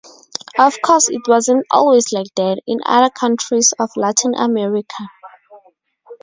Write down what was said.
Of course it wasn't always like that, in other countries of Latin America.